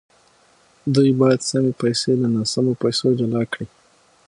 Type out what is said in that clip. دوی باید سمې پیسې له ناسمو پیسو جلا کړي